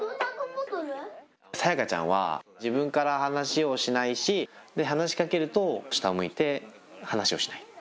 さやかちゃんは自分から話をしないし話しかけると下を向いて話をしない。